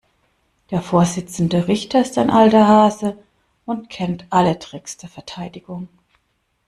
Der Vorsitzende Richter ist ein alter Hase und kennt alle Tricks der Verteidigung.